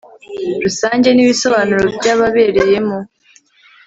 rusange n ibisobanuro by ababereyemo